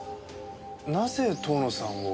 なぜ遠野さんを？